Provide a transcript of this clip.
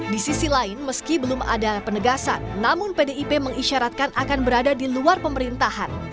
di sisi lain meski belum ada penegasan namun pdip mengisyaratkan akan berada di luar pemerintahan